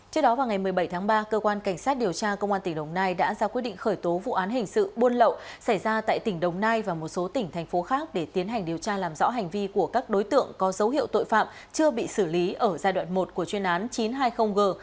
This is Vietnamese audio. trước đó vào ngày một mươi bảy tháng ba cơ quan cảnh sát điều tra công an tỉnh đồng nai đã ra quyết định khởi tố vụ án hình sự buôn lậu xảy ra tại tỉnh đồng nai và một số tỉnh thành phố khác để tiến hành điều tra làm rõ hành vi của các đối tượng có dấu hiệu tội phạm chưa bị xử lý ở giai đoạn một của chuyên án chín trăm hai mươi g